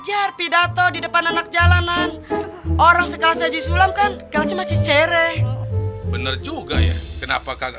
anak anak jalanan orang sekalian disulamkan gas masih cereh bener juga ya kenapa kagak